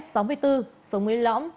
sống mấy lõng